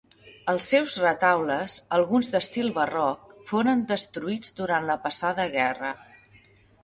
Els seus retaules, alguns d'estil barroc, foren destruïts durant la passada guerra.